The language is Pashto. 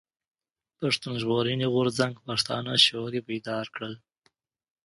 پښتون ژغورني غورځنګ پښتانه شعوري بيدار کړل.